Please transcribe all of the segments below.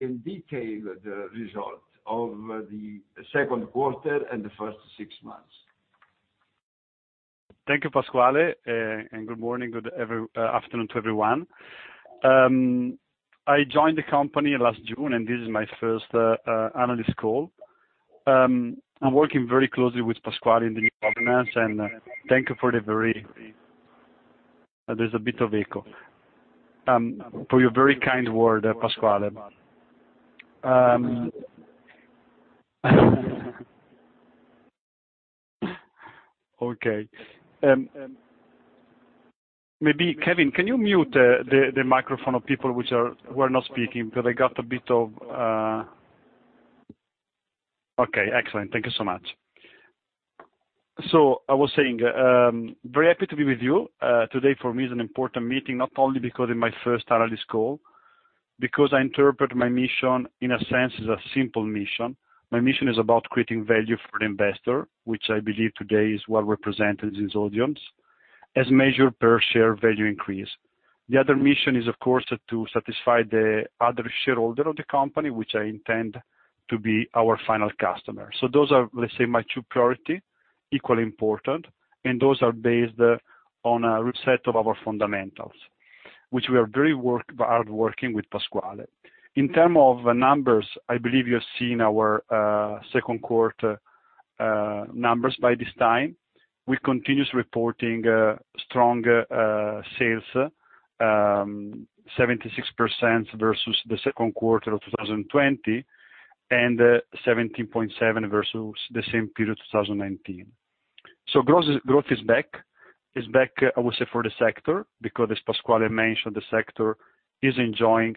In detail the result of the second quarter and the first six months. Thank you, Pasquale. Good morning. Good afternoon to everyone. I joined the company last June, and this is my first analyst call. I'm working very closely with Pasquale in the new governance, and thank you for your very kind word, Pasquale. Okay. Maybe Kevin, can you mute the microphone of people which were not speaking? Excellent. Thank you so much. I was saying, very happy to be with you. Today, for me, is an important meeting, not only because it's my first analyst call, because I interpret my mission, in a sense, as a simple mission. My mission is about creating value for the investor, which I believe today is well represented in this audience, as measured per share value increase. The other mission is, of course, to satisfy the other shareholder of the company, which I intend to be our final customer. Those are, let's say, my two priority, equally important, and those are based on a reset of our fundamentals, which we are very hard working with Pasquale. In term of numbers, I believe you have seen our second quarter numbers by this time. We continuous reporting strong sales, 76% versus the second quarter of 2020, and 17.7% versus the same period 2019. Growth is back. It's back, I would say, for the sector, because as Pasquale mentioned, the sector is enjoying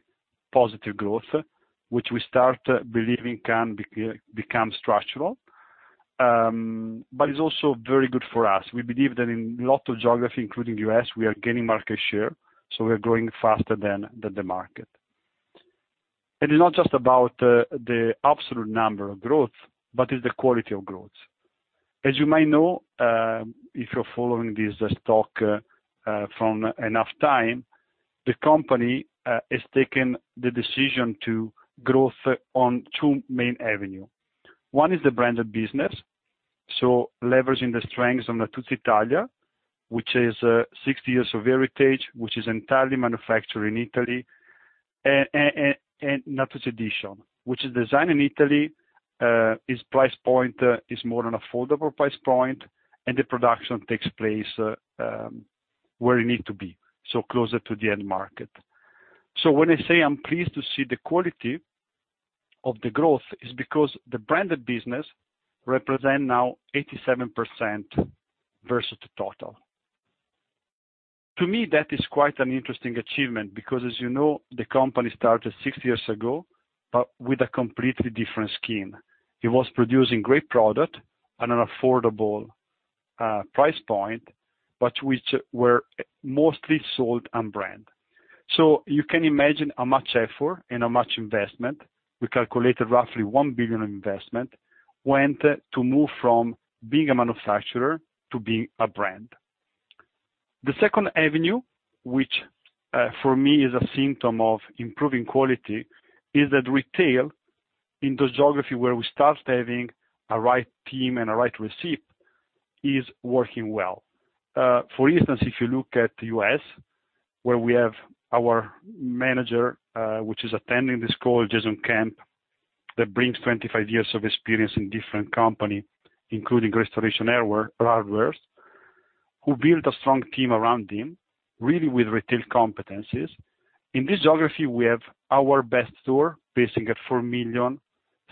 positive growth, which we start believing can become structural. It's also very good for us. We believe that in lot of geography, including U.S., we are gaining market share, so we are growing faster than the market. It is not just about the absolute number of growth, but it's the quality of growth. As you may know, if you're following this stock from enough time, the company has taken the decision to growth on two main avenue. One is the branded business, so leveraging the strengths on Natuzzi Italia, which is 60 years of heritage, which is entirely manufactured in Italy. Natuzzi Editions, which is designed in Italy, its price point is more an affordable price point, and the production takes place where it need to be, so closer to the end market. When I say I'm pleased to see the quality of the growth, it's because the branded business represent now 87% versus the total. To me, that is quite an interesting achievement because as you know, the company started six years ago, but with a completely different scheme. It was producing great product at an affordable price point, but which were mostly sold unbranded. You can imagine how much effort and how much investment, we calculated roughly 1 billion investment, went to move from being a manufacturer to being a brand. The second avenue, which for me is a symptom of improving quality, is that retail in those geography where we started having a right team and a right recipe, is working well. For instance, if you look at U.S., where we have our manager, which is attending this call, Jason Camp, that brings 25 years of experience in different company, including Restoration Hardware, who built a strong team around him, really with retail competencies. In this geography, we have our best store, pacing at 4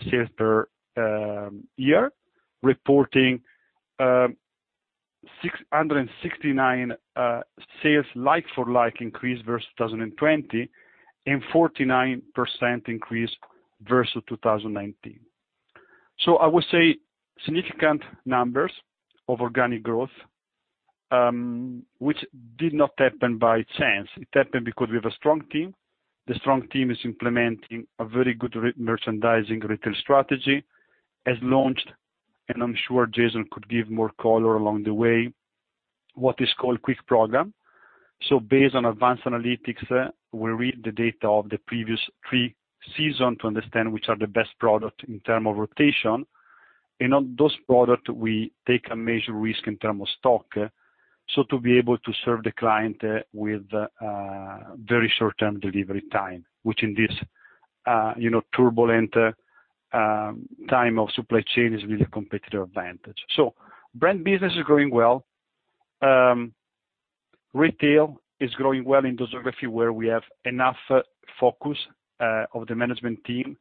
million sales per year, reporting 669 sales like-for-like increase versus 2020, and 49% increase versus 2019. I would say significant numbers of organic growth, which did not happen by chance. It happened because we have a strong team. The strong team is implementing a very good merchandising retail strategy, has launched, and I'm sure Jason could give more color along the way, what is called Quick Program. Based on advanced analytics, we read the data of the previous three seasons to understand which are the best products in terms of rotation. In those products, we take a major risk in terms of stock, to be able to serve the client with very short-term delivery time, which in this turbulent time of supply chain is really a competitive advantage. Brand business is growing well. Retail is growing well in those geographies where we have enough focus of the management team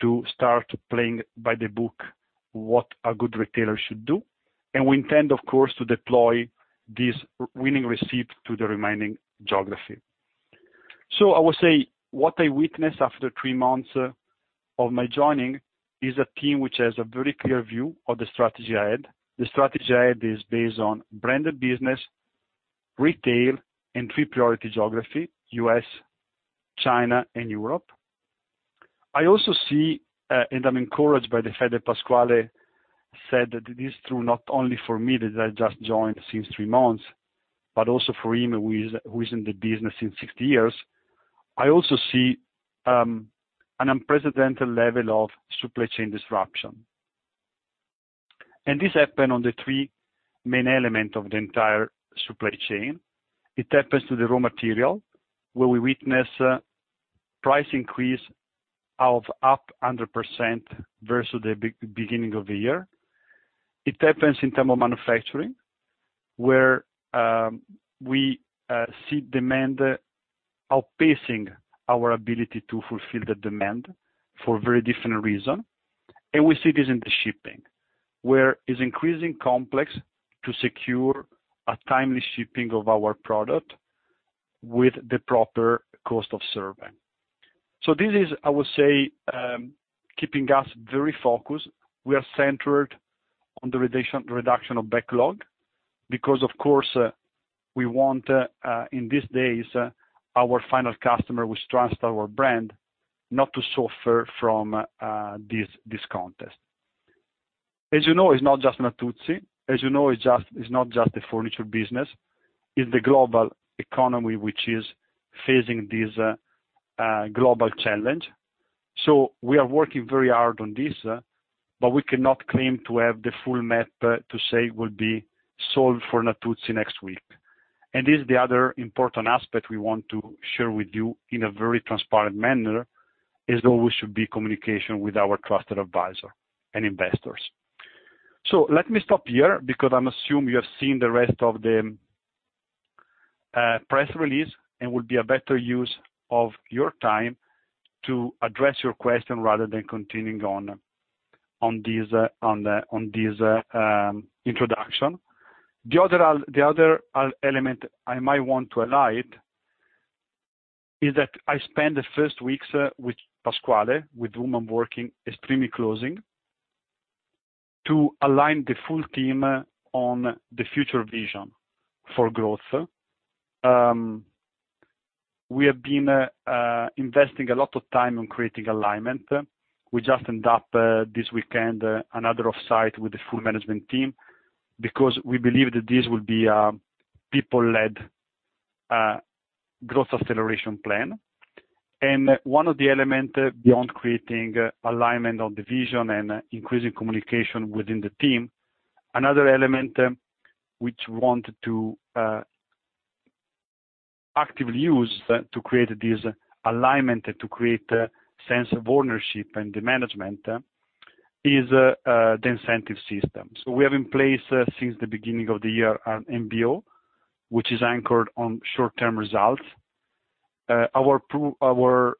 to start playing by the book what a good retailer should do. We intend, of course, to deploy this winning recipe to the remaining geography. I would say what I witnessed after three months of my joining, is a team which has a very clear view of the strategy I had. The strategy I had is based on branded business, retail, and three priority geography: U.S., China and Europe. I also see, and I'm encouraged by the fact that Pasquale said that it is true not only for me, that I just joined since three months, but also for him, who is in the business since 60 years. I also see an unprecedented level of supply chain disruption. This happened on the three main elements of the entire supply chain. It happens to the raw material, where we witness a price increase of up 100% versus the beginning of the year. It happens in terms of manufacturing, where we see demand outpacing our ability to fulfill the demand for very different reasons. We see this in the shipping, where it's increasingly complex to secure a timely shipping of our product with the proper cost of serving. This is, I would say, keeping us very focused. We are centered on the reduction of backlog, because of course, we want, in these days, our final customer who trusts our brand, not to suffer from this contest. As you know, it's not just Natuzzi. As you know, it's not just the furniture business. It's the global economy, which is facing this global challenge. We are working very hard on this, but we cannot claim to have the full map to say it will be solved for Natuzzi next week. This is the other important aspect we want to share with you in a very transparent manner, as there always should be communication with our trusted advisor and investors. Let me stop here because I assume you have seen the rest of the press release, and will be a better use of your time to address your question rather than continuing on this introduction. The other element I might want to highlight is that I spent the first weeks with Pasquale, with whom I'm working extremely closely, to align the full team on the future vision for growth. We have been investing a lot of time on creating alignment. We just end up this weekend, another offsite with the full management team, because we believe that this will be a people-led growth acceleration plan. One of the element beyond creating alignment of the vision and increasing communication within the team, another element which we want to actively use to create this alignment, to create a sense of ownership in the management, is the incentive system. We have in place since the beginning of the year, an MBO, which is anchored on short-term results. Our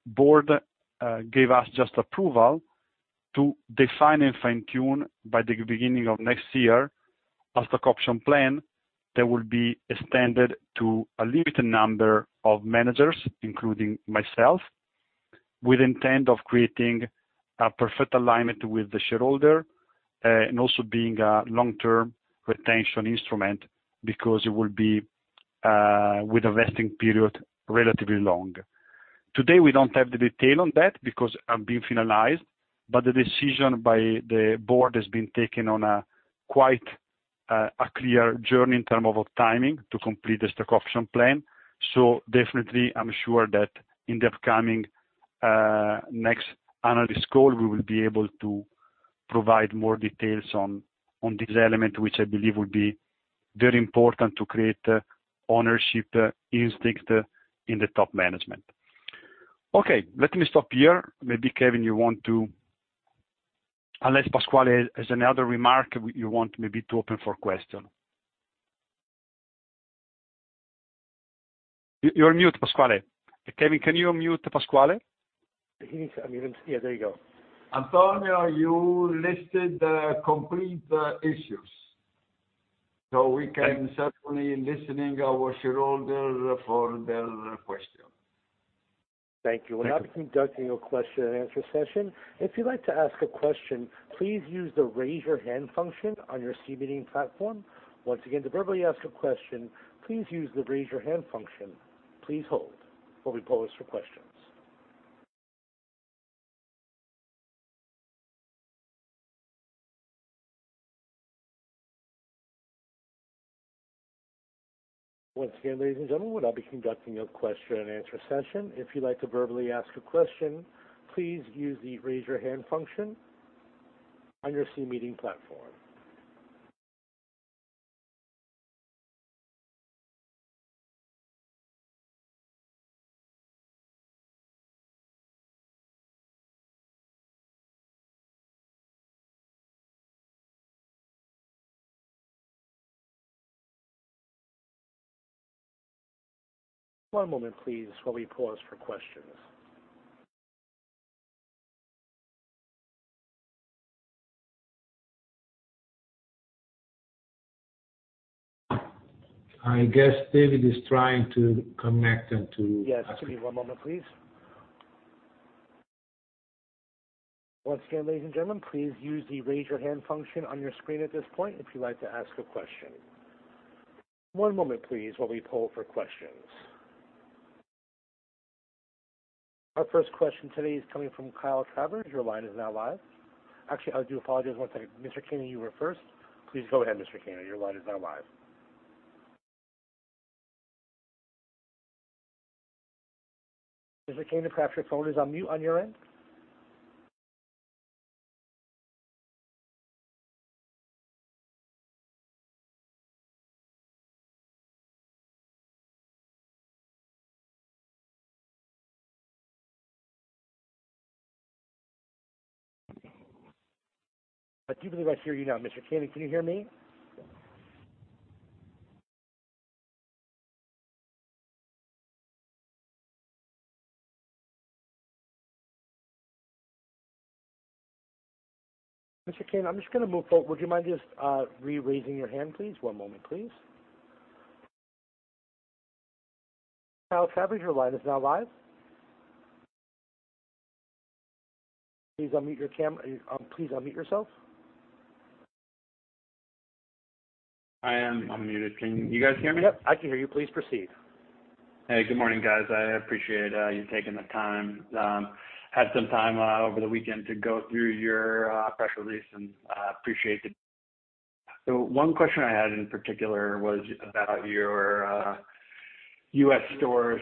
board gave us just approval to design and fine-tune, by the beginning of next year, a stock option plan that will be extended to a limited number of managers, including myself, with intent of creating a perfect alignment with the shareholder, and also being a long-term retention instrument because it will be with a vesting period relatively long. Today, we don't have the detail on that because are being finalized, the decision by the board has been taken on a quite clear journey in term of timing to complete the stock option plan. Definitely, I'm sure that in the upcoming next analyst call, we will be able to provide more details on this element, which I believe will be very important to create ownership instinct in the top management. Let me stop here. Maybe Kevin, you want to Unless Pasquale has another remark, you want maybe to open for question. You're on mute, Pasquale. Kevin, can you unmute Pasquale? He needs to unmute. Yeah, there you go. Antonio, you listed the complete issues. We can certainly listening our shareholders for their question. Thank you. We're now conducting a question and answer session. If you'd like to ask a question, please use the raise your hand function on your C-Meeting platform. Once again, to verbally ask a question, please use the raise your hand function. Please hold while we pose for questions. Once again, ladies and gentlemen, we'll now be conducting a question and answer session. If you'd like to verbally ask a question, please use the raise your hand function on your C-Meeting platform. One moment, please, while we pause for questions. I guess Dave is trying to connect to ask a question. Yes. Give me one moment, please. Once again, ladies and gentlemen, please use the raise your hand function on your screen at this point, if you'd like to ask a question. One moment, please, while we poll for questions. Our first question today is coming from Kyle Travers. Your line is now live. Actually, I do apologize. One second. Mr. Caney, you were first. Please go ahead, Mr. Caney. Your line is now live. Mr. Caney, perhaps your phone is on mute on your end. I do believe I hear you now, Mr. Caney. Can you hear me? Mr. Caney, I'm just going to move forward. Would you mind just re-raising your hand, please? One moment, please. Kyle Travers, your line is now live. Please unmute yourself. I am unmuted. Can you guys hear me? Yep, I can hear you. Please proceed. Hey, good morning, guys. I appreciate you taking the time. Had some time over the weekend to go through your press release and appreciate it. One question I had in particular was about your U.S. stores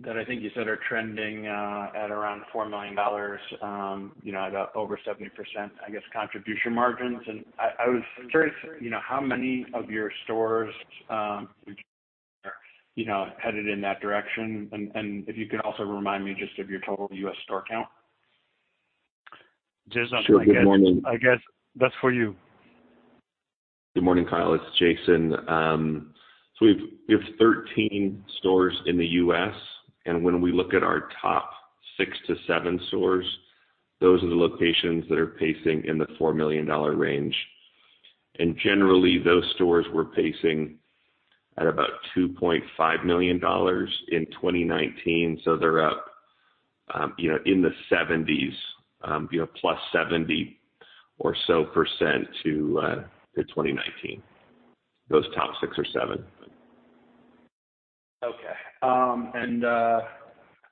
that I think you said are trending at around $4 million, about over 70%, I guess, contribution margins. I was curious, how many of your stores are headed in that direction? If you could also remind me just of your total U.S. store count. Jason, Sure. Good morning. that's for you. Good morning, Kyle, it's Jason. We have 13 stores in the U.S., and when we look at our top six to seven stores, those are the locations that are pacing in the $4 million range. Generally, those stores were pacing at about $2.5 million in 2019. They're up in the 70s, +70 or so % to 2019, those top six or seven. Okay.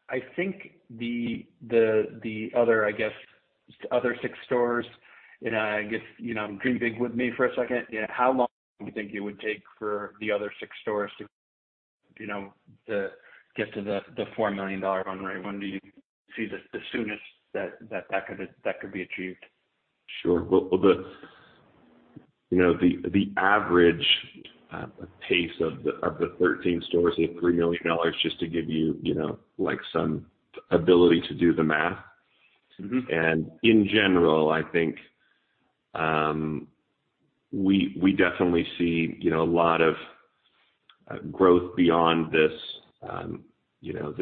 I think the other six stores in, I guess, dream big with me for a second. How long do you think it would take for the other six stores to get to the $4 million run rate? When do you see the soonest that could be achieved? Sure. Well, the average pace of the 13 stores is EUR 3 million just to give you some ability to do the math. In general, I think we definitely see a lot of growth beyond this EUR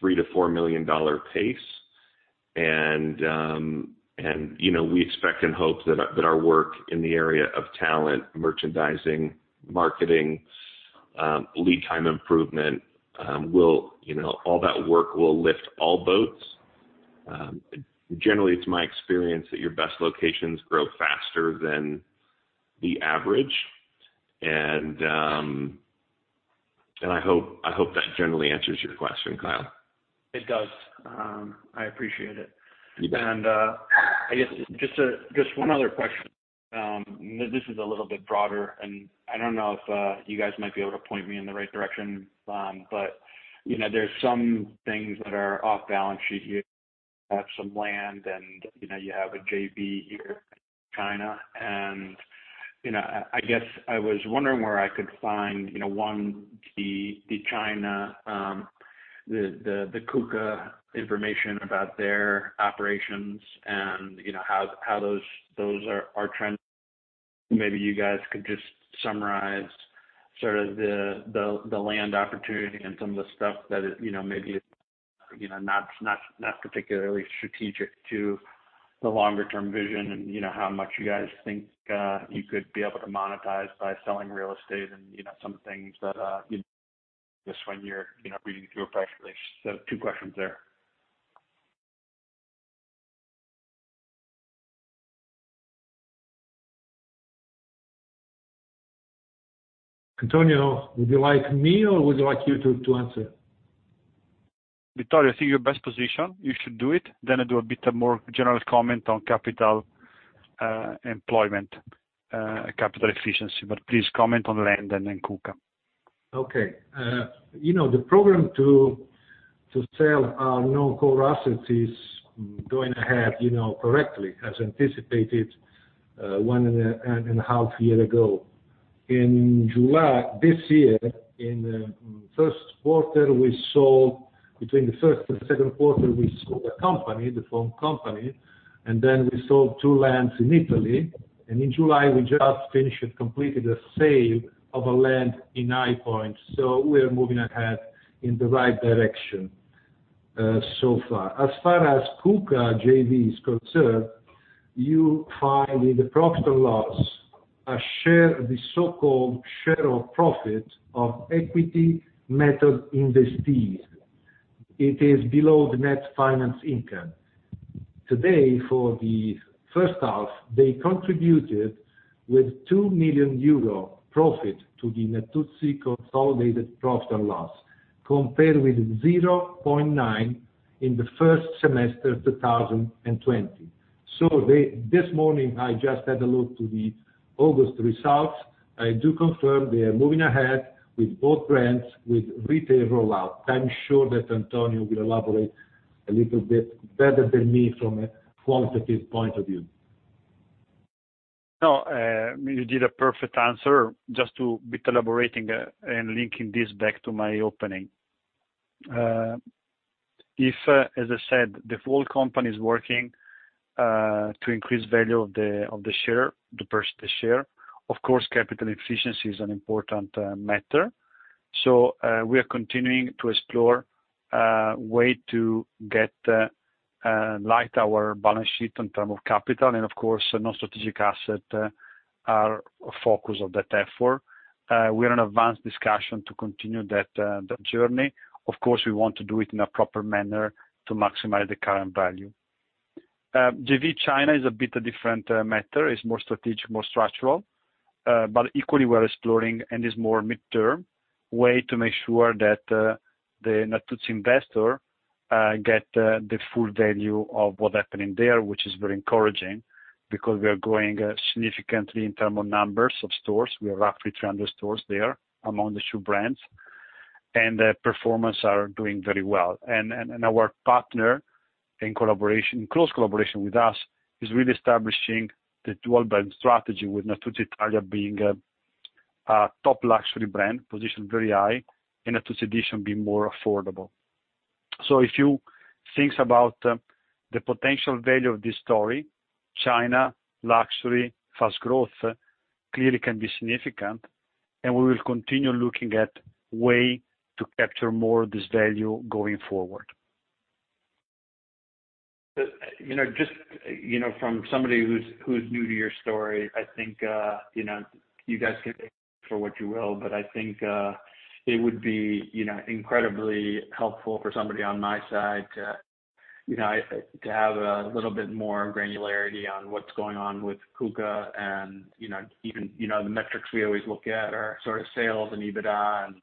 3 million-EUR 4 million pace. We expect and hope that our work in the area of talent, merchandising, marketing, lead time improvement, all that work will lift all boats. Generally, it's my experience that your best locations grow faster than the average. I hope that generally answers your question, Kyle. It does. I appreciate it. You bet. I guess just one other question. This is a little bit broader, and I don't know if you guys might be able to point me in the right direction. There's some things that are off-balance sheet here. You have some land, and you have a JV here in China. I guess I was wondering where I could find, one, the China, the KUKA information about their operations and how those are trending. Maybe you guys could just summarize sort of the land opportunity and some of the stuff that is maybe not particularly strategic to the longer-term vision and how much you guys think you could be able to monetize by selling real estate and some things that you just, when you're reading through a press release. Two questions there. Antonio, would you like me or would you like you to answer? Vittorio, I think your best position, you should do it. I do a bit more general comment on capital employed, capital efficiency. Please comment on land and then KUKA. Okay. The program to sell our non-core assets is going ahead correctly as anticipated one and a half year ago. In July this year, between the first and second quarter, we sold a company, the foam company, and then we sold two lands in Italy. In July, we just finished and completed the sale of a land in High Point. We are moving ahead in the right direction so far. As far as KUKA JV is concerned, you find in the profit or loss the so-called share of profit of equity method investees. It is below the net finance income. Today, for the first half, they contributed with 2 million euro profit to the Natuzzi consolidated profit and loss, compared with 0.9 in the first semester 2020. This morning, I just had a look to the August results. I do confirm they are moving ahead with both brands with retail rollout. I'm sure that Antonio will elaborate a little bit better than me from a qualitative point of view. No, you did a perfect answer. Just to be collaborating and linking this back to my opening. If, as I said, the whole company is working to increase value of the share, the percentage share, of course, capital efficiency is an important matter. We are continuing to explore a way to get light our balance sheet in terms of capital. Of course, no strategic assets are a focus of that effort. We are in advanced discussion to continue that journey. Of course, we want to do it in a proper manner to maximize the current value. JV China is a bit different matter. It's more strategic, more structural, but equally, we're exploring, and is more mid-term way to make sure that the Natuzzi investor get the full value of what happening there, which is very encouraging because we are growing significantly in terms of numbers of stores. We are roughly 300 stores there among the two brands, performance are doing very well. Our partner, in close collaboration with us, is really establishing the dual brand strategy with Natuzzi Italia being a top luxury brand, positioned very high, and Natuzzi Editions being more affordable. If you think about the potential value of this story, China, luxury, fast growth, clearly can be significant, and we will continue looking at way to capture more of this value going forward. Just from somebody who's new to your story, I think you guys can take it for what you will, but I think it would be incredibly helpful for somebody on my side to have a little bit more granularity on what's going on with KUKA. Even the metrics we always look at are sort of sales and EBITDA, and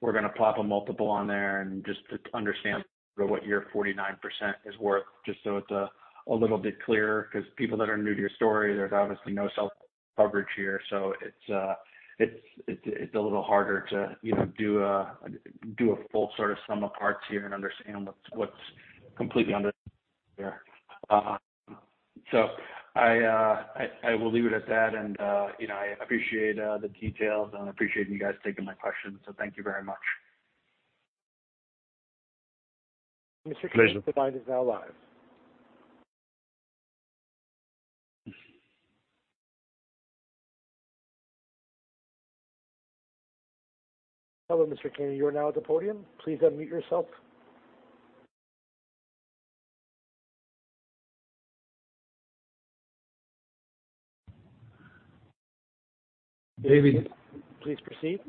we're going to plop a multiple on there and just to understand sort of what your 49% is worth, just so it's a little bit clearer because people that are new to your story, there's obviously no sell-side coverage here. It's a little harder to do a full sort of sum of parts here and understand what's completely under there. I will leave it at that, and I appreciate the details, and I appreciate you guys taking my question. Thank you very much. Pleasure. Mr. Kane, the line is now live. Hello, Mr. Kane. You are now at the podium. Please unmute yourself. Please proceed.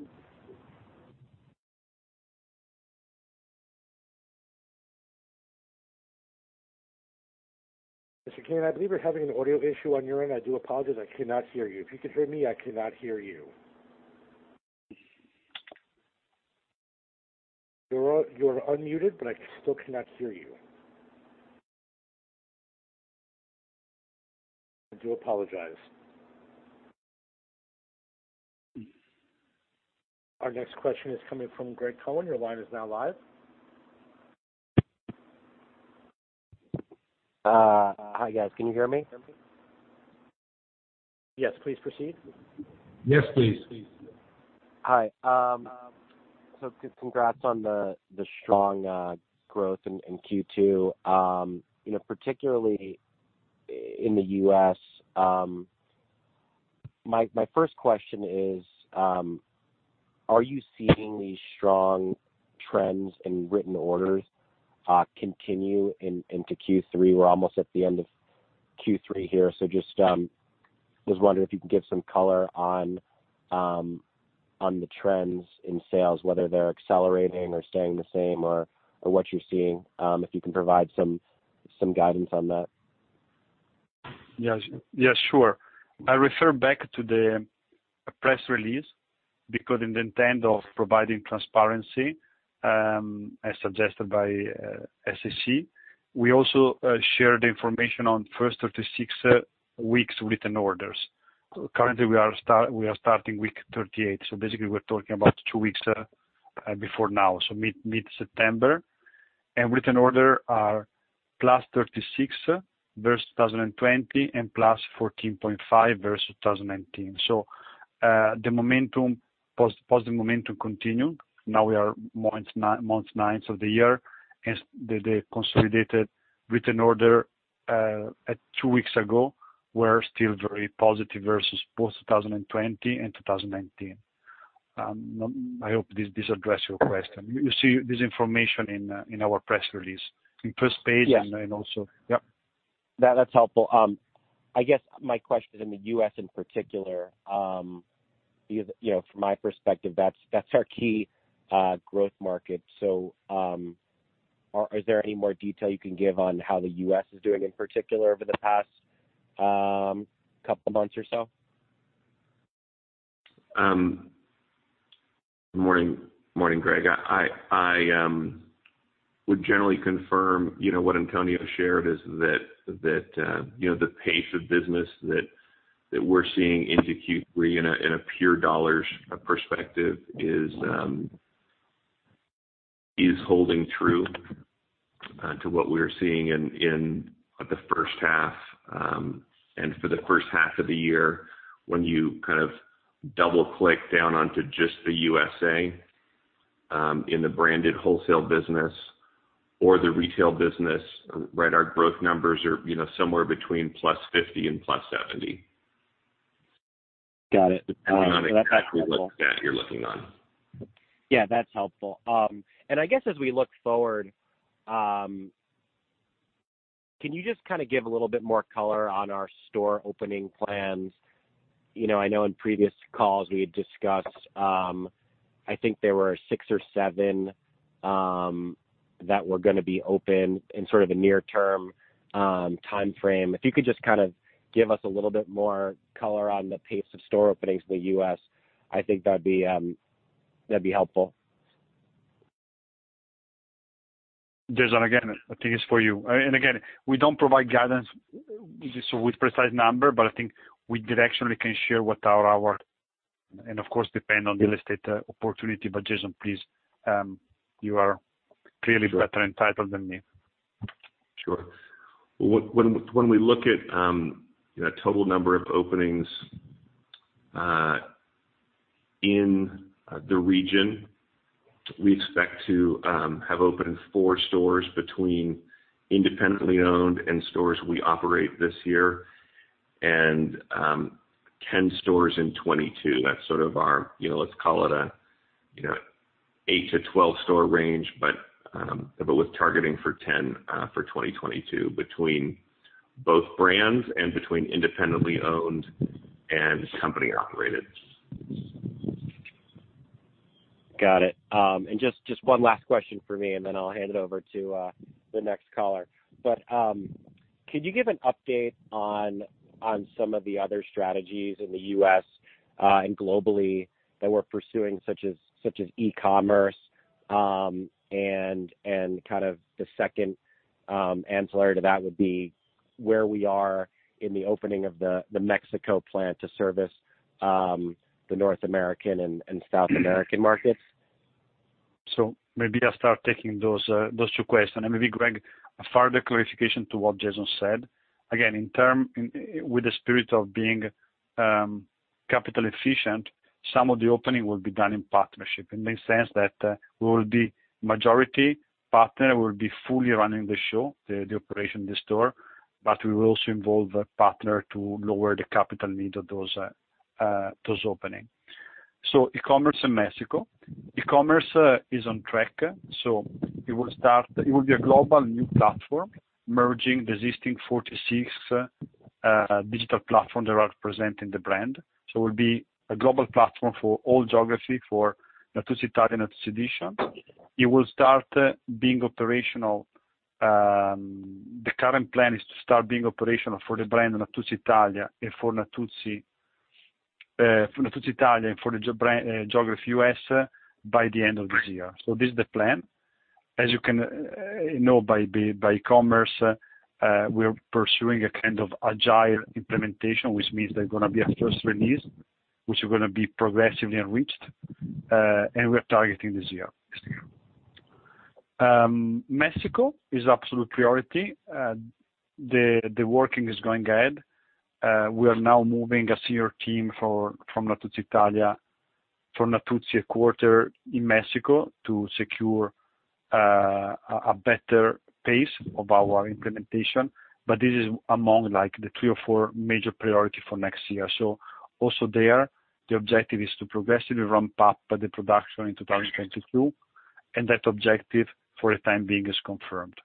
Mr. Kane, I believe you're having an audio issue on your end. I do apologize. I cannot hear you. If you can hear me, I cannot hear you. You're unmuted, but I still cannot hear you. I do apologize. Our next question is coming from Greg Cohen. Your line is now live. Hi, guys. Can you hear me? Yes. Please proceed. Yes, please. Hi. Congrats on the strong growth in Q2 particularly in the U.S. My first question is, are you seeing these strong trends in written orders continue into Q3? We're almost at the end of Q3 here, just was wondering if you could give some color on the trends in sales, whether they're accelerating or staying the same or what you're seeing, if you can provide some guidance on that. Yeah, sure. I refer back to the press release because in the intent of providing transparency, as suggested by SEC, we also share the information on first of the six weeks written orders. Currently, we are starting week 38. Basically, we're talking about two weeks before now, so mid-September. Written order are +36% versus 2020 and +14.5% versus 2019. The positive momentum continued. Now we are month nine of the year, the consolidated written order at two weeks ago were still very positive versus both 2020 and 2019. I hope this address your question. You see this information in our press release, in first page. Yes Yep. That's helpful. I guess my question is in the U.S. in particular. From my perspective, that's our key growth market. Is there any more detail you can give on how the U.S. is doing in particular over the past two months or so? Morning, Greg. I would generally confirm what Antonio shared is that the pace of business that we're seeing into Q3 in a pure dollars perspective is holding true to what we're seeing in the first half. For the first half of the year, when you kind of double-click down onto just the USA, in the branded wholesale business or the retail business, our growth numbers are somewhere between +50 and +70. Got it. Depending on exactly what stat you're looking on. Yeah, that's helpful. I guess as we look forward, can you just kind of give a little bit more color on our store opening plans? I know in previous calls we had discussed, I think there were six or seven that were going to be open in sort of a near-term timeframe. If you could just kind of give us a little bit more color on the pace of store openings in the U.S., I think that'd be helpful. Jason, again, I think it's for you. Again, we don't provide guidance with precise number, I think we directionally can share what our, and of course depend on real estate opportunity. Jason, please, you are clearly better entitled than me. Sure. When we look at total number of openings in the region, we expect to have opened four stores between independently owned and stores we operate this year, and 10 stores in 2022. That's sort of our, let's call it an 8-12 store range, but with targeting for 10 for 2022 between both brands and between independently owned and company operated. Got it. Just one last question for me, then I'll hand it over to the next caller. Could you give an update on some of the other strategies in the U.S. and globally that we're pursuing, such as e-commerce? Kind of the second ancillary to that would be where we are in the opening of the Mexico plant to service the North American and South American markets. Maybe I'll start taking those two questions. Maybe Greg, a further clarification to what Jason said. Again, with the spirit of being capital efficient, some of the opening will be done in partnership. In the sense that we will be majority partner, we will be fully running the show, the operation of the store, but we will also involve a partner to lower the capital need of those opening. E-commerce in Mexico. E-commerce is on track. It will be a global new platform, merging the existing 46 digital platform that are present in the brand. It will be a global platform for all geography for Natuzzi Italia, Natuzzi Editions. The current plan is to start being operational for the brand Natuzzi Italia and for the geography U.S. by the end of this year. This is the plan. As you can know by e-commerce, we're pursuing a kind of agile implementation, which means there's going to be a first release, which is going to be progressively enriched. We're targeting this year. Mexico is absolute priority. The working is going ahead. We are now moving a senior team from Natuzzi Italia, from Natuzzi quarter in Mexico to secure a better pace of our implementation. This is among the three or four major priority for next year. Also there, the objective is to progressively ramp up the production in 2022, and that objective, for the time being, is confirmed.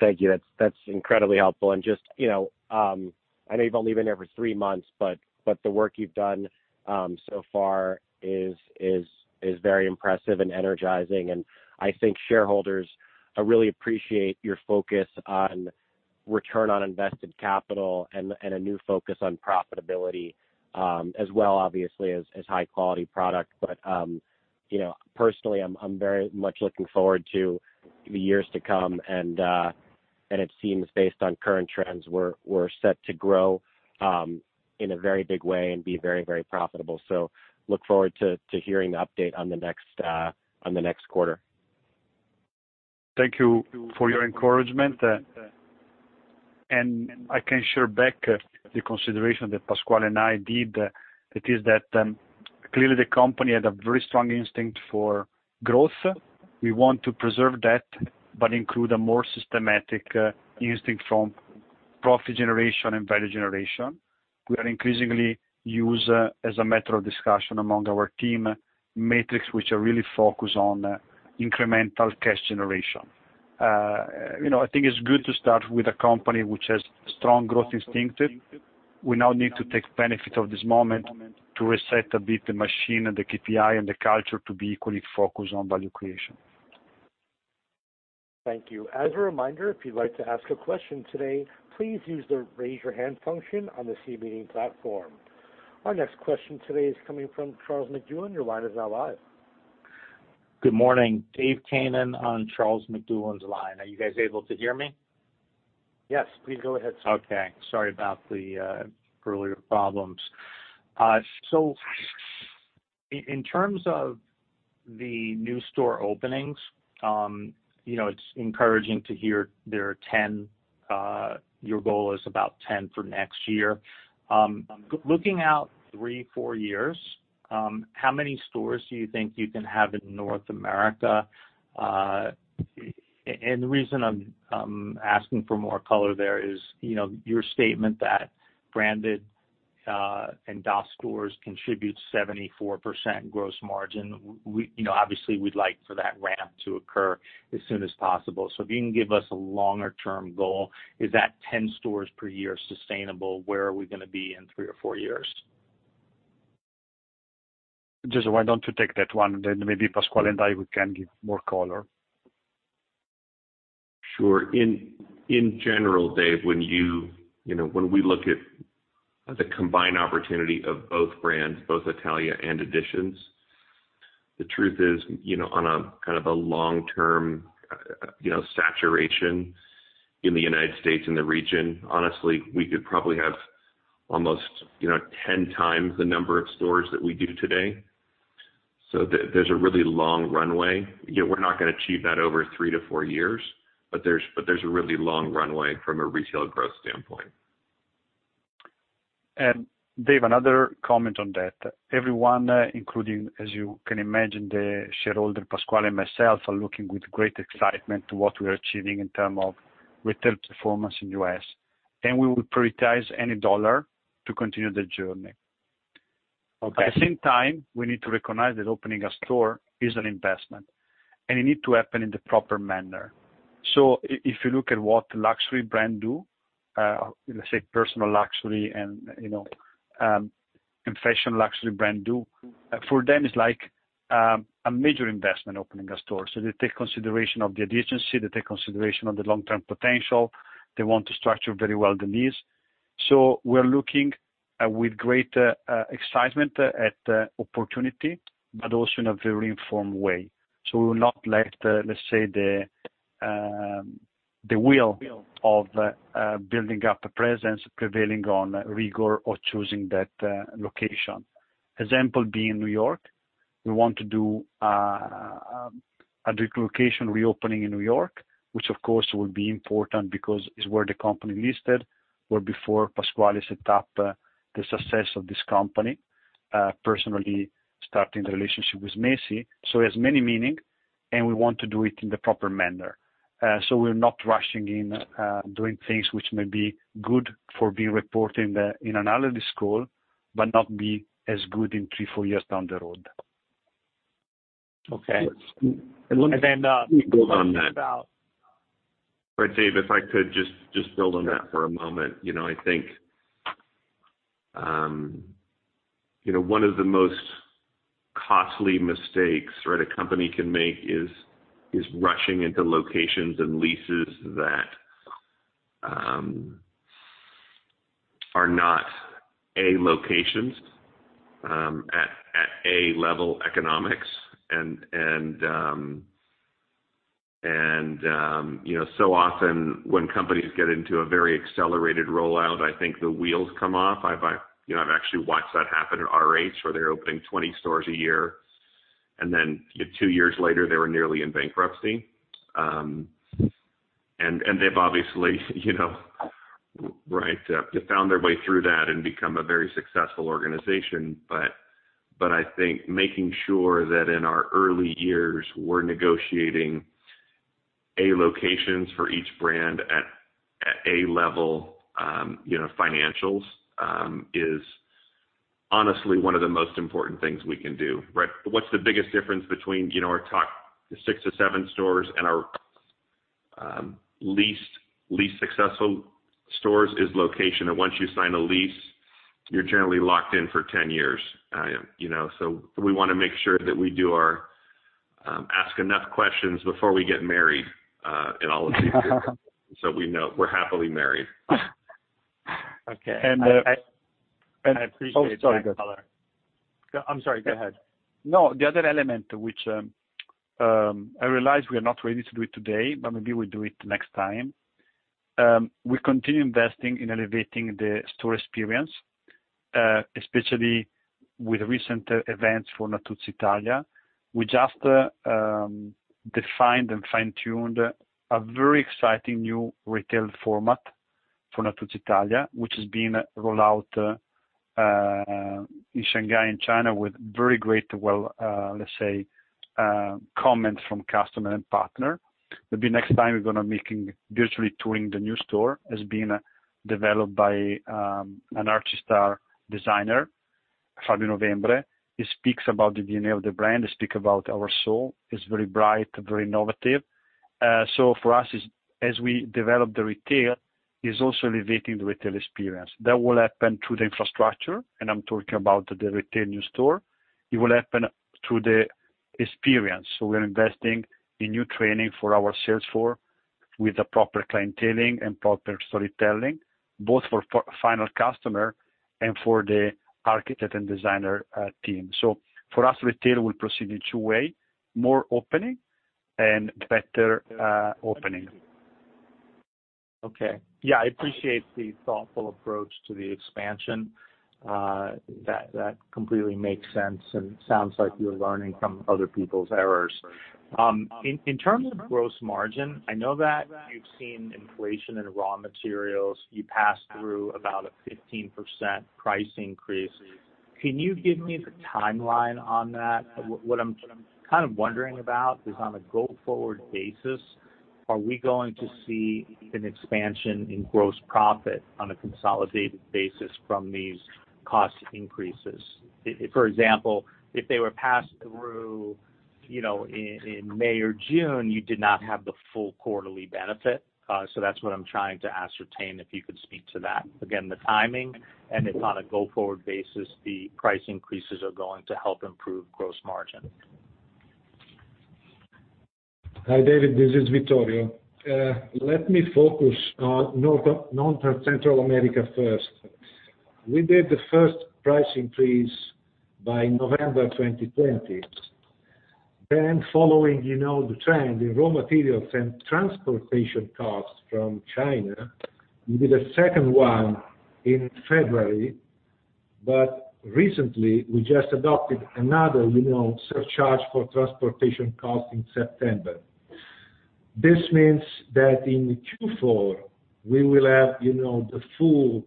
Thank you. That's incredibly helpful. Just, I know you've only been there for three months, but the work you've done so far is very impressive and energizing. I think shareholders really appreciate your focus on return on invested capital and a new focus on profitability, as well, obviously, as high quality product. Personally, I'm very much looking forward to the years to come, and it seems based on current trends, we're set to grow in a very big way and be very profitable. Look forward to hearing the update on the next quarter. Thank you for your encouragement. I can share back the consideration that Pasquale and I did. It is that clearly the company had a very strong instinct for growth. We want to preserve that, but include a more systematic instinct from profit generation and value generation. We are increasingly use as a matter of discussion among our team, metrics which are really focused on incremental cash generation. I think it's good to start with a company which has strong growth instinctive. We now need to take benefit of this moment to reset a bit the machine, and the KPI, and the culture to be equally focused on value creation. Thank you. As a reminder, if you'd like to ask a question today, please use the Raise Your Hand function on the C-Meeting platform. Our next question today is coming from Charles McEwen. Your line is now live. Good morning, Dave Keenan on Charles McEwen's line. Are you guys able to hear me? Yes, please go ahead. Sorry about the earlier problems. In terms of the new store openings, it's encouraging to hear there are 10, your goal is about 10 for next year. Looking out three, four years, how many stores do you think you can have in North America? And the reason I'm asking for more color there is, your statement that branded and DOS stores contribute 74% gross margin. Obviously, we'd like for that ramp to occur as soon as possible. If you can give us a longer term goal, is that 10 stores per year sustainable? Where are we going to be in three or four years? Jason, why don't you take that one, then maybe Pasquale and I, we can give more color. Sure. In general, Dave, when we look at the combined opportunity of both brands, both Italia and Editions, the truth is, on a kind of a long-term saturation in the U.S. and the region, honestly, we could probably have almost 10 times the number of stores that we do today. There's a really long runway. We're not going to achieve that over three to four years, but there's a really long runway from a retail growth standpoint. Dave, another comment on that. Everyone, including, as you can imagine, the shareholder, Pasquale and myself, are looking with great excitement to what we are achieving in terms of retail performance in U.S. We will prioritize any dollar to continue the journey. Okay. At the same time, we need to recognize that opening a store is an investment, and it needs to happen in the proper manner. If you look at what luxury brands do, let's say personal luxury and fashion luxury brands do, for them, it's like a major investment opening a store. They take consideration of the adjacency, they take consideration of the long-term potential. They want to structure very well the lease. We're looking with great excitement at the opportunity, but also in a very informed way. We will not let's say, the will of building up a presence prevail on rigor or choosing that location. Example being New York, we want to do a relocation reopening in New York, which of course, will be important because it's where the company listed, where before Pasquale set up the success of this company, personally starting the relationship with Macy's. It has many meaning, and we want to do it in the proper manner. We're not rushing in doing things which may be good for being reported in an analyst call, but not be as good in three, four years down the road. Okay. Let me build on that. Dave, if I could just build on that for a moment. I think one of the most costly mistakes that a company can make is rushing into locations and leases that are not A locations, at A level economics. So often when companies get into a very accelerated rollout, I think the wheels come off. I've actually watched that happen at RH, where they were opening 20 stores a year, then two years later, they were nearly in bankruptcy. They've obviously found their way through that and become a very successful organization. I think making sure that in our early years, we're negotiating A locations for each brand at A level financials, is honestly one of the most important things we can do, right? What's the biggest difference between our top six to seven stores and our least successful stores is location. Once you sign a lease, you're generally locked in for 10 years. We want to make sure that we ask enough questions before we get married in all of these deals, so we know we're happily married. Okay. I appreciate that color. And-- I'm sorry, go ahead. No, the other element, which I realize we are not ready to do it today, but maybe we do it next time. We continue investing in elevating the store experience, especially with recent events for Natuzzi Italia. We just defined and fine-tuned a very exciting new retail format for Natuzzi Italia, which is being rolled out in Shanghai, in China with very great, let's say, comments from customer and partner. Maybe next time we're going to making virtually touring the new store, has been developed by an archistar designer Fabio Novembre. He speaks about the DNA of the brand, he speak about our soul. He's very bright, very innovative. For us, as we develop the retail, he's also elevating the retail experience. That will happen through the infrastructure, and I'm talking about the retail new store. It will happen through the experience. We are investing in new training for our sales floor with the proper clienteling and proper storytelling, both for final customer and for the architect and designer team. For us, retail will proceed in two way, more opening and better opening. Okay. Yeah, I appreciate the thoughtful approach to the expansion. That completely makes sense and sounds like you're learning from other people's errors. In terms of gross margin, I know that you've seen inflation in raw materials. You passed through about a 15% price increase. Can you give me the timeline on that? What I'm kind of wondering about is on a go-forward basis, are we going to see an expansion in gross profit on a consolidated basis from these cost increases? For example, if they were passed through, in May or June, you did not have the full quarterly benefit. That's what I'm trying to ascertain, if you could speak to that. Again, the timing, if on a go-forward basis, the price increases are going to help improve gross margin. Hi, David, this is Vittorio. Let me focus on North Central America first. We did the first price increase by November 2020. Following the trend in raw materials and transportation costs from China, we did a second one in February, but recently, we just adopted another surcharge for transportation cost in September. This means that in Q4, we will have the full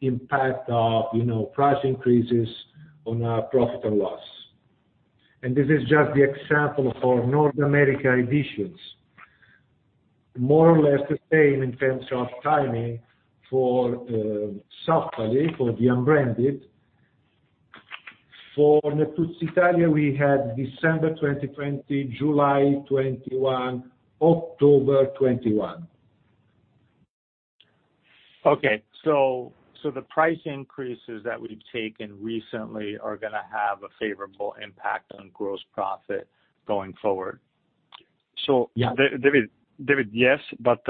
impact of price increases on our profit and loss. This is just the example for North America Editions. More or less the same in terms of timing for Softaly, for the unbranded. For Natuzzi Italia, we had December 2020, July 2021, October 2021. Okay. The price increases that we've taken recently are going to have a favorable impact on gross profit going forward? So- Yeah David, yes.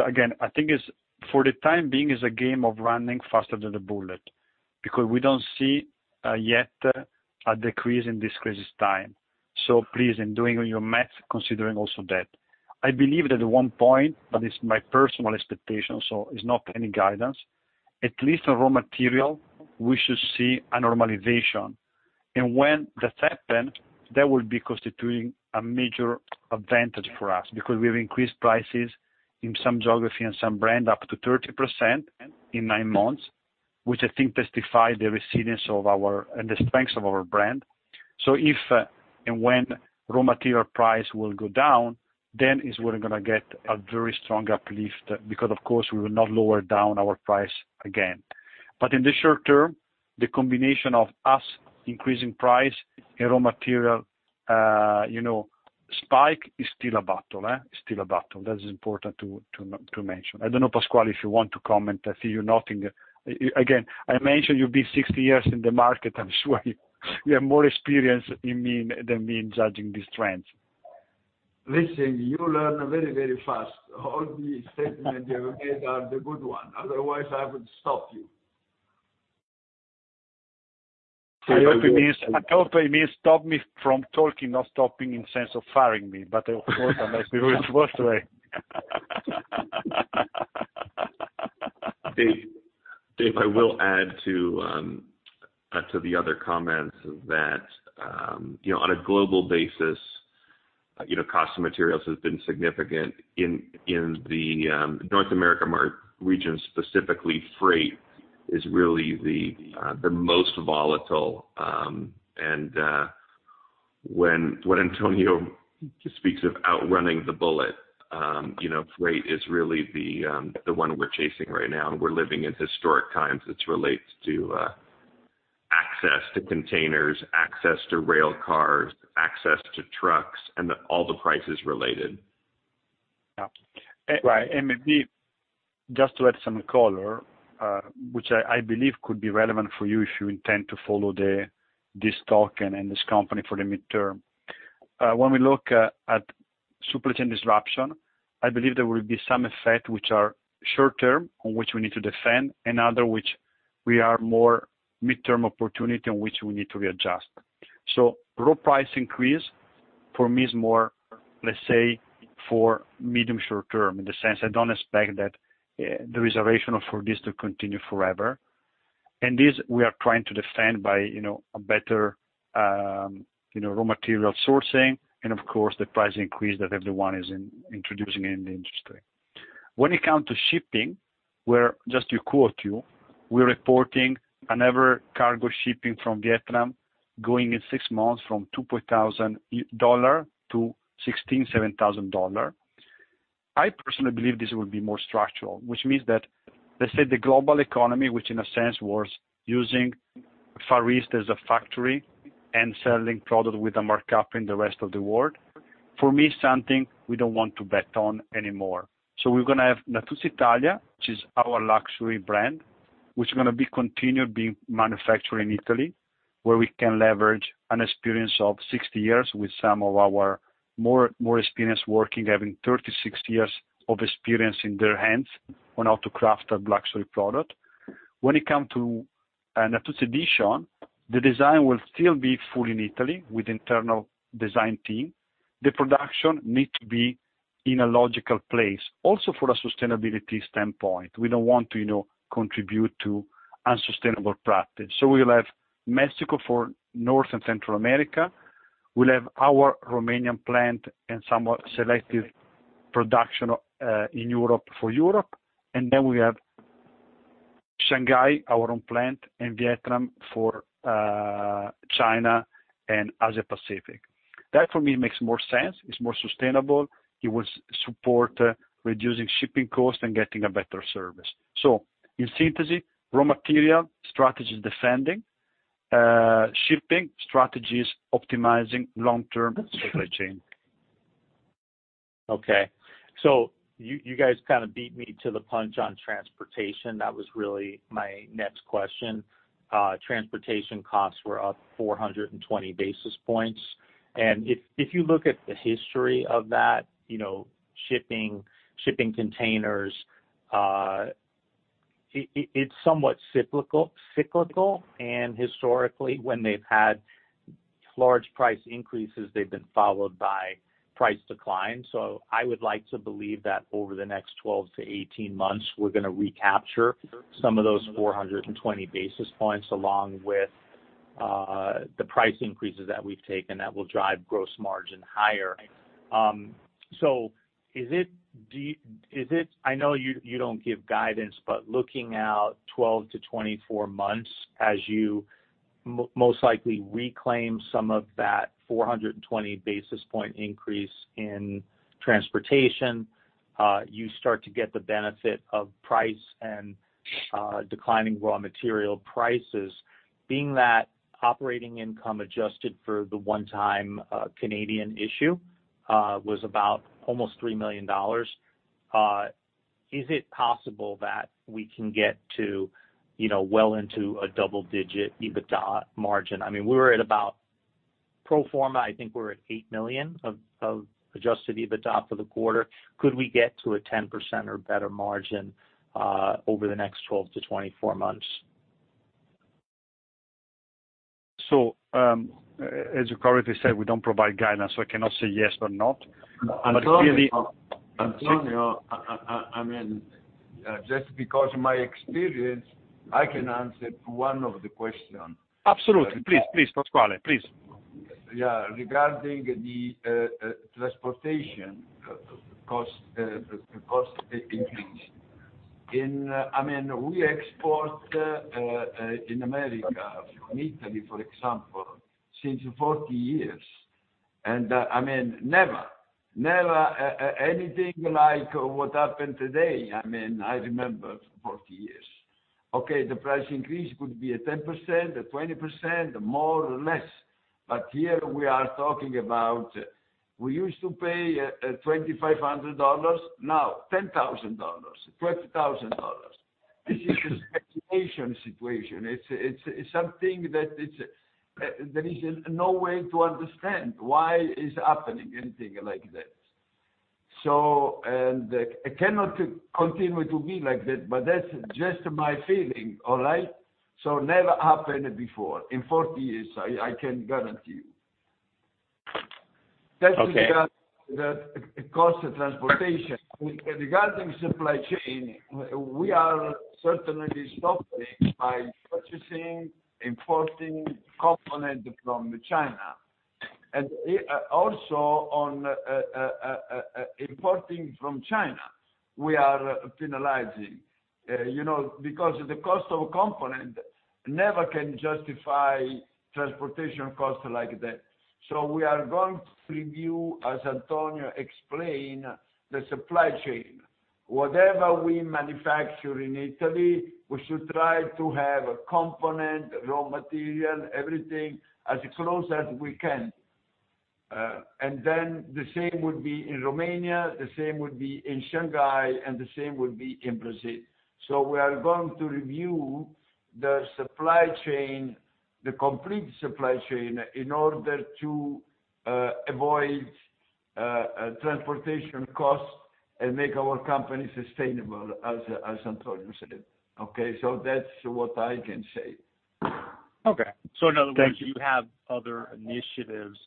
Again, I think it's, for the time being, it's a game of running faster than the bullet because we don't see yet a decrease in this crisis time. Please, in doing your math, considering also that. I believe that at one point, but it's my personal expectation, so it's not any guidance, at least on raw material, we should see a normalization. When that happens, that will be constituting a major advantage for us because we've increased prices in some geography and some brand up to 30% in nine months, which I think testifies the resilience and the strength of our brand. If and when raw material price will go down, then is when we're going to get a very strong uplift because, of course, we will not lower down our price again. In the short term, the combination of us increasing price and raw material spike is still a battle. That is important to mention. I don't know, Pasquale, if you want to comment? I see you nodding. Again, I mentioned you've been 60 years in the market. I'm sure you have more experience than me in judging these trends. Listen, you learn very fast. All the statements you have made are the good one. Otherwise, I would stop you. I hope he means stop me from talking, not stopping in sense of firing me. Of course, I know it's worse way. Dave, I will add to the other comments that on a global basis, cost of materials has been significant. In the North America region, specifically freight, is really the most volatile. When Antonio speaks of outrunning the bullet, freight is really the one we're chasing right now, and we're living in historic times as relates to access to containers, access to rail cars, access to trucks, and all the prices related. Yeah. Right. Maybe just to add some color, which I believe could be relevant for you if you intend to follow this talk and this company for the midterm. When we look at supply chain disruption, I believe there will be some effect which are short term, on which we need to defend, and other which we are more midterm opportunity in which we need to readjust. Raw price increase for me is more, let's say, for medium short term, in the sense I don't expect that there is a rationale for this to continue forever. This we are trying to defend by a better raw material sourcing and of course, the price increase that everyone is introducing in the industry. When it comes to shipping, where just to quote you, we're reporting another cargo shipping from Vietnam going in six months from $2,000 to $16,000, $17,000. I personally believe this will be more structural, which means that, let's say, the global economy, which in a sense was using Far East as a factory and selling product with a markup in the rest of the world, for me is something we don't want to bet on anymore. We're going to have Natuzzi Italia, which is our luxury brand, which going to be continued being manufactured in Italy, where we can leverage an experience of 60 years with some of our more experienced workers having 36 years of experience in their hands on how to craft a luxury product. When it comes to Natuzzi Editions, the design will still be full in Italy with internal design team. The production needs to be in a logical place. From a sustainability standpoint, we don't want to contribute to unsustainable practice. We'll have Mexico for North and Central America. We'll have our Romanian plant and some selective production in Europe for Europe. We have Shanghai, our own plant, and Vietnam for China and Asia Pacific. That, for me, makes more sense. It's more sustainable. It will support reducing shipping costs and getting a better service. In synthesis, raw material, strategy is defending. Shipping, strategy is optimizing long-term supply chain. You guys kind of beat me to the punch on transportation. That was really my next question. Transportation costs were up 420 basis points, and if you look at the history of that, shipping containers, it's somewhat cyclical. Historically, when they've had large price increases, they've been followed by price declines. I would like to believe that over the next 12-18 months, we're going to recapture some of those 420 basis points, along with the price increases that we've taken that will drive gross margin higher. I know you don't give guidance, but looking out 12-24 months, as you most likely reclaim some of that 420 basis point increase in transportation, you start to get the benefit of price and declining raw material prices. Operating income adjusted for the one-time Canadian issue was about almost EUR 3 million, is it possible that we can get to well into a double-digit EBITDA margin? Pro forma, I think we're at 8 million of adjusted EBITDA for the quarter. Could we get to a 10% or better margin over the next 12-24 months? As you correctly said, we don't provide guidance, so I cannot say yes or not. Antonio, just because of my experience, I can answer one of the questions. Absolutely. Please, Pasquale, please. Yeah. Regarding the transportation cost increase. We export in America from Italy, for example, since 40 years, and never anything like what happened today. I remember 40 years. Okay, the price increase could be 10%, 20%, more or less. Here we are talking about, we used to pay $2,500, now $10,000, $12,000. This is a speculation situation. It's something that there is no way to understand why it's happening anything like that. It cannot continue to be like that, but that's just my feeling, all right? Never happened before in 40 years, I can guarantee you. Okay. That's regarding the cost of transportation. Regarding supply chain, we are certainly stopping by purchasing, importing component from China. Also on importing from China, we are penalizing. The cost of component never can justify transportation costs like that. We are going to review, as Antonio explained, the supply chain. Whatever we manufacture in Italy, we should try to have component, raw material, everything, as close as we can. Then the same would be in Romania, the same would be in Shanghai, and the same would be in Brazil. We are going to review the supply chain, the complete supply chain, in order to avoid transportation costs and make our company sustainable, as Antonio said. That's what I can say. Okay. Thank you. you have other initiatives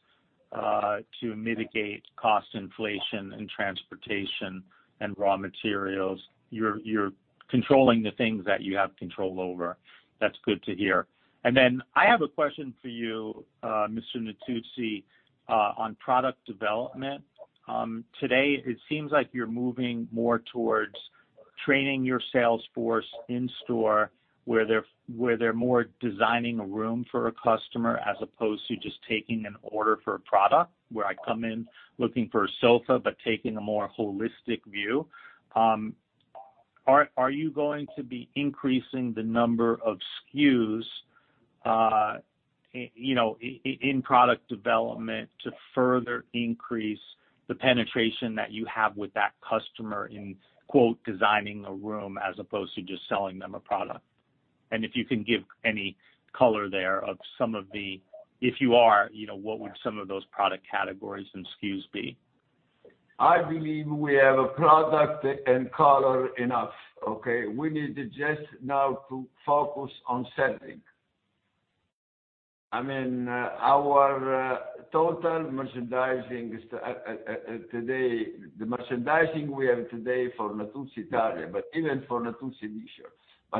to mitigate cost inflation in transportation and raw materials. You're controlling the things that you have control over. That's good to hear. I have a question for you, Mr. Natuzzi, on product development. Today, it seems like you're moving more towards training your sales force in store where they're more designing a room for a customer as opposed to just taking an order for a product. Where I come in looking for a sofa, but taking a more holistic view. Are you going to be increasing the number of SKUs, in product development to further increase the penetration that you have with that customer in quote, "Designing a room," as opposed to just selling them a product? If you can give any color there of some of the, if you are, what would some of those product categories and SKUs be? I believe we have a product and color enough, okay? We need to just now to focus on selling. Our total merchandising we have today for Natuzzi Italia, but even for Natuzzi Editions.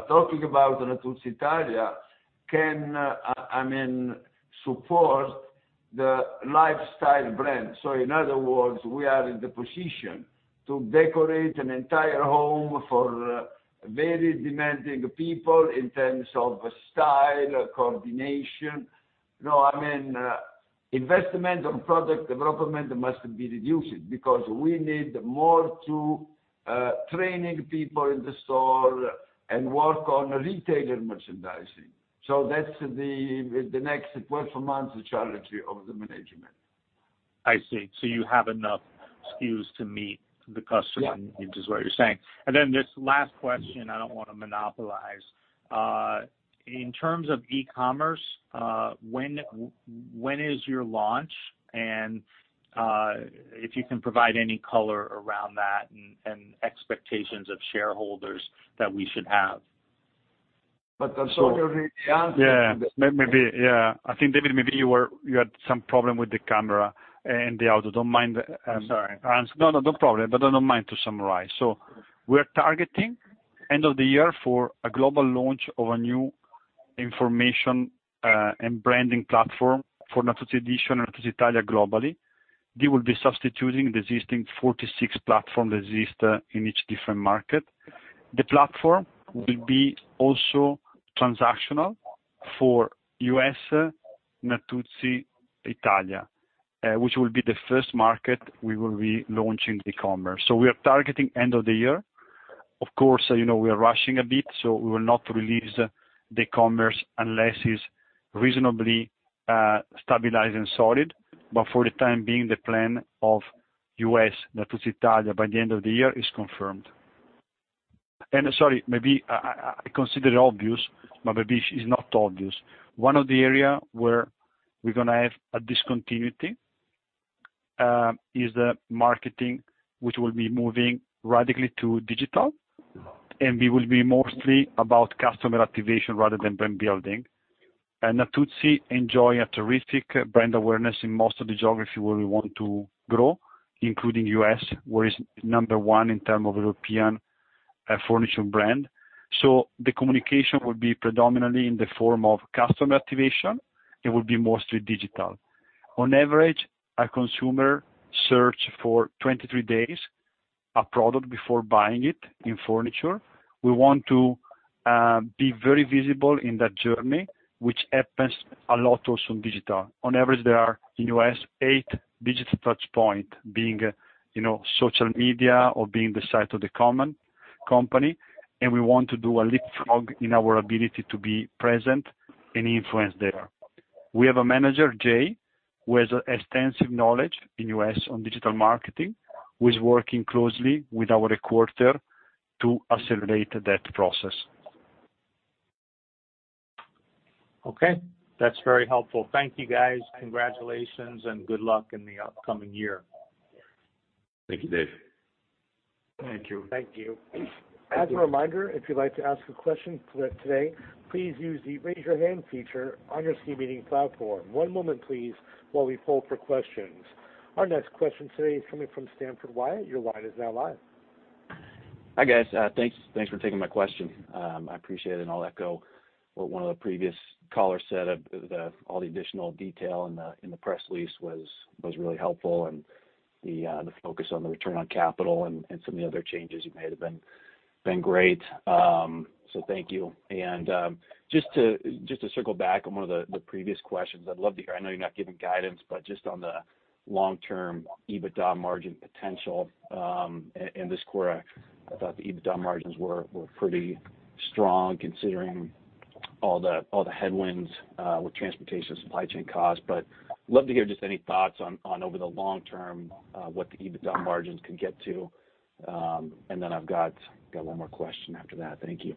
Talking about Natuzzi Italia can support the lifestyle brand. In other words, we are in the position to decorate an entire home for very demanding people in terms of style, coordination. Investment on product development must be reduced because we need more to training people in the store and work on retailer merchandising. That's the next 12 months challenge of the management. I see. you have enough SKUs to meet the customer Yeah needs is what you're saying. This last question, I don't want to monopolize. In terms of e-commerce, when is your launch? If you can provide any color around that and expectations of shareholders that we should have. I'm sorry. Yeah. I think, Dave, maybe you had some problem with the camera and the audio. I'm sorry. No, no problem. Don't mind, to summarize. We're targeting end of the year for a global launch of a new information and branding platform for Natuzzi Editions, Natuzzi Italia globally. They will be substituting the existing 46 platform that exist in each different market. The platform will be also transactional for U.S. Natuzzi Italia, which will be the first market we will be launching e-commerce. We are targeting end of the year. Of course, we are rushing a bit, so we will not release the commerce unless it's reasonably stabilized and solid. For the time being, the plan of U.S. Natuzzi Italia by the end of the year is confirmed. Sorry, maybe I consider it obvious, but maybe it is not obvious. One of the area where we're going to have a discontinuity, is the marketing, which will be moving radically to digital, and we will be mostly about customer activation rather than brand building. Natuzzi enjoy a terrific brand awareness in most of the geography where we want to grow, including U.S., where is number one in term of European furniture brand. The communication will be predominantly in the form of customer activation. It will be mostly digital. On average, a consumer search for 23 days a product before buying it in furniture. We want to be very visible in that journey, which happens a lot also on digital. On average, there are, in U.S., eight digital touch point being social media or being the site of the company, and we want to do a leapfrog in our ability to be present and influence there. We have a manager, Jay, who has extensive knowledge in U.S. on digital marketing, who is working closely with our Riccardo to accelerate that process. Okay. That's very helpful. Thank you guys. Congratulations, and good luck in the upcoming year. Thank you, Dave. Thank you. Thank you. As a reminder, if you'd like to ask a question today, please use the raise your hand feature on your C-Meeting platform. One moment please, while we poll for questions. Our next question today is coming from Stanford Wyatt. Your line is now live. Hi, guys. Thanks for taking my question. I appreciate it. I'll echo what one of the previous callers said, all the additional detail in the press release was really helpful, and the focus on the return on capital and some of the other changes you made have been great. Thank you. Just to circle back on one of the previous questions, I'd love to hear, I know you're not giving guidance, but just on the long-term EBITDA margin potential, in this quarter, I thought the EBITDA margins were pretty strong, considering all the headwinds, with transportation, supply chain costs. Love to hear just any thoughts on over the long term, what the EBITDA margins could get to. I've got one more question after that. Thank you.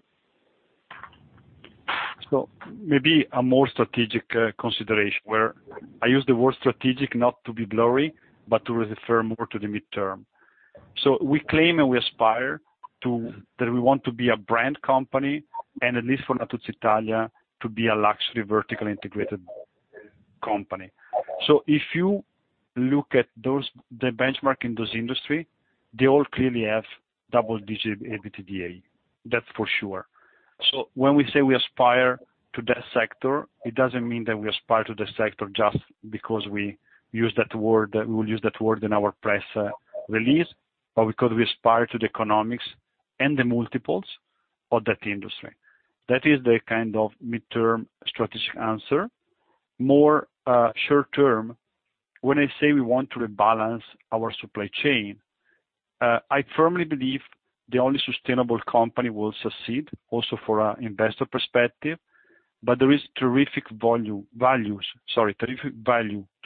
Maybe a more strategic consideration where I use the word strategic not to be blurry, but to refer more to the midterm. We claim and we aspire that we want to be a brand company, and at least for Natuzzi Italia, to be a luxury vertically integrated company. If you look at the benchmark in those industry, they all clearly have double-digit EBITDA, that's for sure. When we say we aspire to that sector, it doesn't mean that we aspire to that sector just because we will use that word in our press release, but because we aspire to the economics and the multiples of that industry. That is the kind of midterm strategic answer. More short-term, when I say we want to rebalance our supply chain, I firmly believe the only sustainable company will succeed also from an investor perspective, but there is terrific value to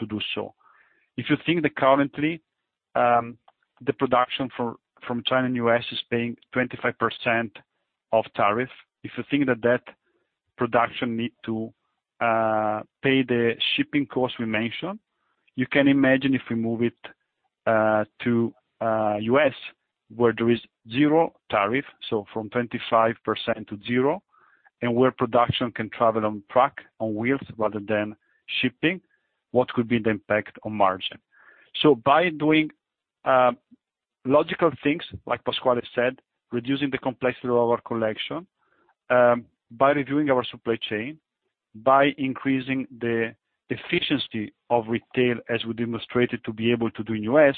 do so. If you think that currently, the production from China and U.S. is paying 25% of tariff, if you think that production needs to pay the shipping cost we mentioned, you can imagine if we move it to U.S. where there is 0 tariff, so from 25% to 0%, and where production can travel on truck, on wheels, rather than shipping, what could be the impact on margin. By doing logical things, like Pasquale said, reducing the complexity of our collection, by reviewing our supply chain, by increasing the efficiency of retail as we demonstrated to be able to do in U.S.,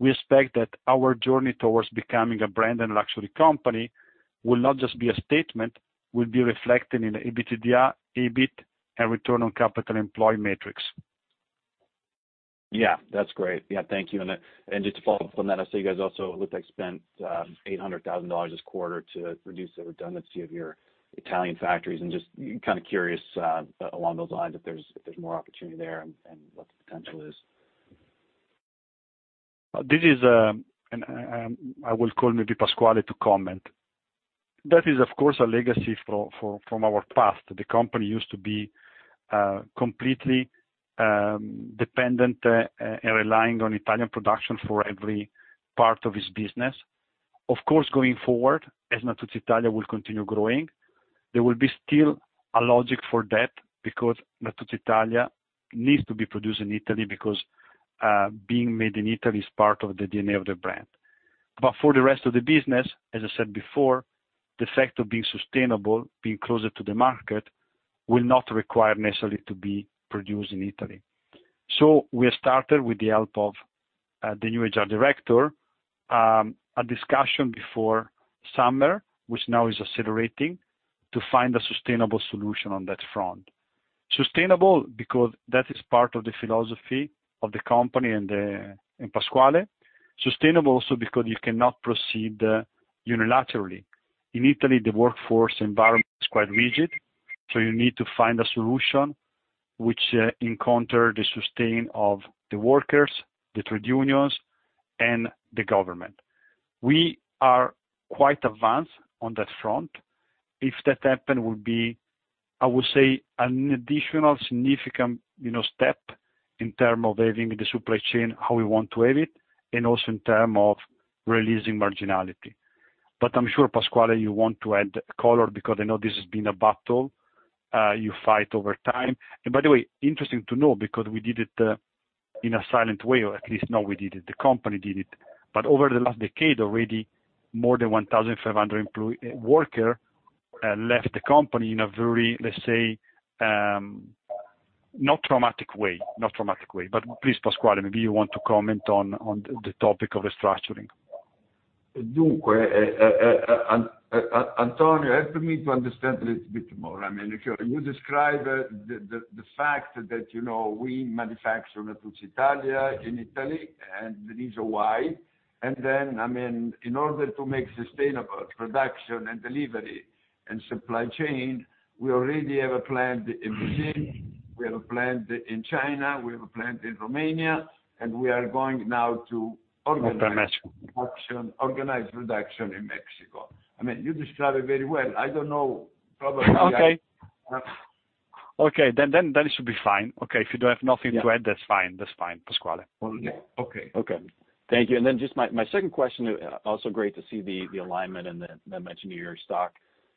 we expect that our journey towards becoming a brand and luxury company will not just be a statement, will be reflected in the EBITDA, EBIT, and return on capital employed metrics. Yeah, that's great. Yeah, thank you. Just to follow up on that, I see you guys also it looked like spent EUR 800,000 this quarter to reduce the redundancy of your Italian factories, and just kind of curious along those lines, if there's more opportunity there and what the potential is. This is I will call maybe Pasquale to comment. That is, of course, a legacy from our past. The company used to be completely dependent and relying on Italian production for every part of its business. Of course, going forward, as Natuzzi Italia will continue growing, there will be still a logic for that because Natuzzi Italia needs to be produced in Italy because being made in Italy is part of the DNA of the brand. For the rest of the business, as I said before, the fact of being sustainable, being closer to the market, will not require necessarily to be produced in Italy. We started, with the help of the new HR director, a discussion before summer, which now is accelerating, to find a sustainable solution on that front. Sustainable because that is part of the philosophy of the company and Pasquale. Sustainable also because you cannot proceed unilaterally. In Italy, the workforce environment is quite rigid, so you need to find a solution which encounter the sustain of the workers, the trade unions, and the government. We are quite advanced on that front. If that happen, it would be, I would say, an additional significant step in term of having the supply chain how we want to have it, and also in term of releasing marginality. I'm sure, Pasquale, you want to add color because I know this has been a battle you fight over time. By the way, interesting to know because we did it in a silent way, or at least not we did it, the company did it. Over the last decade, already more than 1,500 worker left the company in a very, let's say, not traumatic way. Please, Pasquale, maybe you want to comment on the topic of restructuring. Antonio, help me to understand a little bit more. You describe the fact that we manufacture Natuzzi Italia in Italy, and there is a why. Then, in order to make sustainable production and delivery and supply chain, we already have a plant in Brazil, we have a plant in China, we have a plant in Romania. Organize Mexico. production in Mexico. You describe it very well. I don't know, probably Okay. It should be fine. Okay, if you don't have nothing to add, that's fine, Pasquale. Okay. Okay. Thank you. Just my second question, also great to see the alignment and the mention of your stock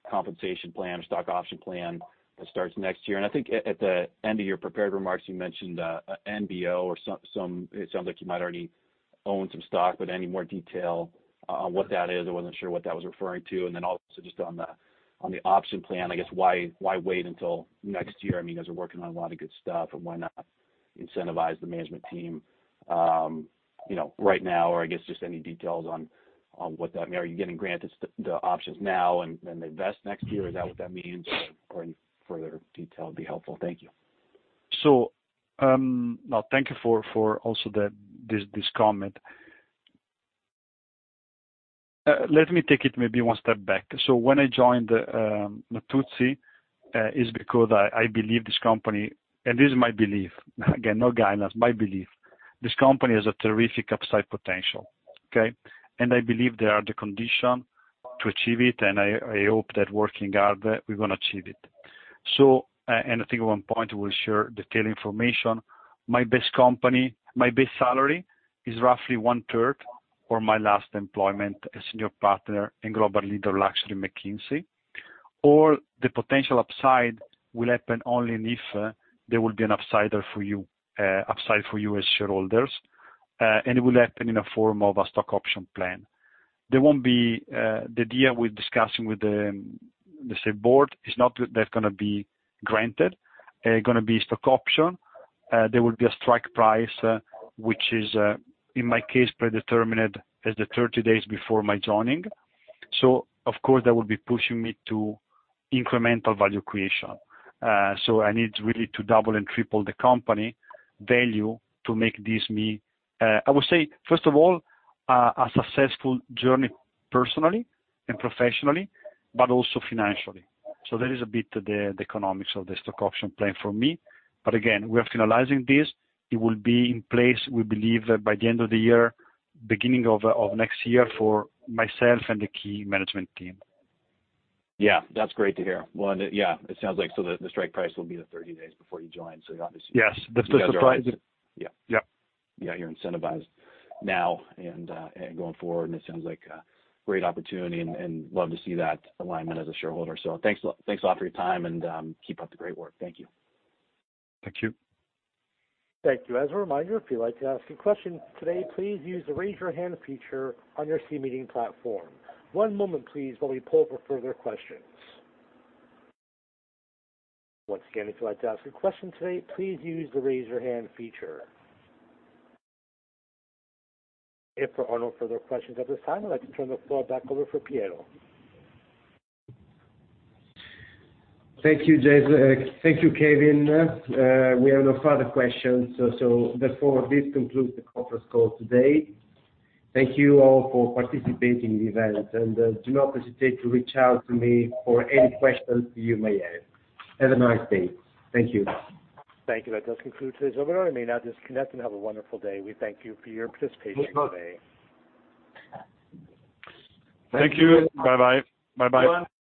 compensation plan or stock option plan that starts next year. I think at the end of your prepared remarks, you mentioned MBO or It sounds like you might already own some stock, but any more detail on what that is? I wasn't sure what that was referring to. Also just on the option plan, I guess why wait until next year? You guys are working on a lot of good stuff, and why not incentivize the management team right now? I guess just any details on what that means. Are you getting granted the options now and they vest next year? Is that what that means? Any further detail would be helpful. Thank you. Thank you for also this comment. Let me take it maybe one step back. When I joined Natuzzi is because I believe this company, and this is my belief, again, no guidance, my belief, this company has a terrific upside potential. I believe there are the condition to achieve it, and I hope that working hard, we're going to achieve it. I think at 1 point we'll share detailed information. My base salary is roughly one-third for my last employment as senior partner and global leader luxury McKinsey. All the potential upside will happen only if there will be an upside for you as shareholders. It will happen in a form of a stock option plan. The deal we're discussing with the, let's say, board is not that's going to be granted. It's going to be a stock option. There will be a strike price, which is, in my case, predetermined as the 30 days before my joining. Of course, that will be pushing me to incremental value creation. I need really to double and triple the company value to make this, I would say, first of all, a successful journey personally and professionally, but also financially. There is a bit the economics of the stock option plan for me. Again, we are finalizing this. It will be in place, we believe, by the end of the year, beginning of next year for myself and the key management team. Yeah, that's great to hear. Well, yeah, it sounds like the strike price will be the 30 days before you join. Yes. Yeah. Yep. Yeah, you're incentivized now and going forward, and it sounds like a great opportunity, and love to see that alignment as a shareholder. Thanks a lot for your time and keep up the great work. Thank you. Thank you. Thank you. As a reminder, if you'd like to ask a question today, please use the raise your hand feature on your C-Meeting platform. One moment, please, while we poll for further questions. Once again, if you'd like to ask a question today, please use the raise your hand feature. If there are no further questions at this time, I'd like to turn the floor back over for Piero. Thank you, Kevin. We have no further questions, so therefore, this concludes the conference call today. Thank you all for participating in the event, and do not hesitate to reach out to me for any questions you may have. Have a nice day. Thank you. Thank you. That does conclude today's event. You may now disconnect and have a wonderful day. We thank you for your participation today. Thank you. Bye bye. Bye bye.